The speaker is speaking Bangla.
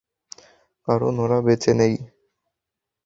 কারণ ওরা বেঁচে নেই।